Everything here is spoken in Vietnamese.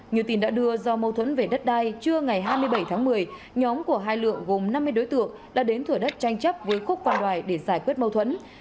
như tin đã đưa do mâu thuẫn về đất đai trưa ngày hai mươi bảy tháng một mươi nhóm của hai lượng gồm năm mươi đối tượng đã đến thửa đất tranh chấp với cúc và để giải quyết mâu thuẫn